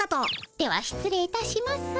では失礼いたします。